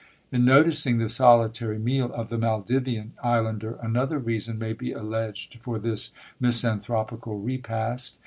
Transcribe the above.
In noticing the solitary meal of the Maldivian islander, another reason may be alleged for this misanthropical repast.